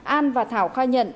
an và thảo khai nhận